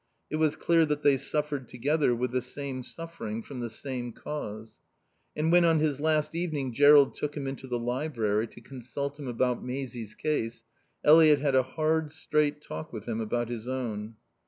It was clear that they suffered together, with the same suffering, from the same cause. And when on his last evening Jerrold took him into the library to consult him about Maisie's case, Eliot had a hard, straight talk with him about his own.